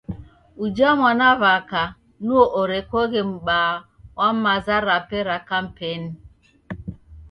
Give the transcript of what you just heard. Uja mwanaw'aka nuo orekoghe mbaa wa maza rape ra kampeni.